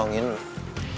lo kenal sama dia